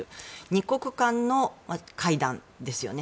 ２国間の会談ですよね。